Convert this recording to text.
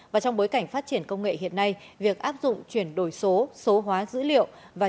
và trong bối cảnh phát triển công nghệ hiện nay việc áp dụng chuyển đổi số số hóa dữ liệu và